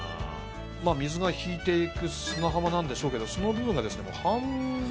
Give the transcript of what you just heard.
水が引いていく砂浜なんでしょうけどその部分がですね。